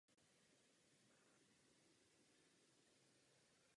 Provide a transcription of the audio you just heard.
Mezi jeho nejlepší scény patří Ukřižování Ježíše Krista.